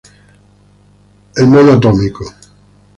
Atomic Monkey